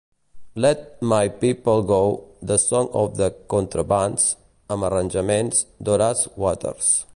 "Let My People Go: The Song of the Contrabands", amb arranjaments d'Horace Waters.